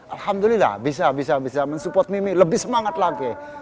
alhamdulillah bisa bisa bisa men support mimi lebih semangat lagi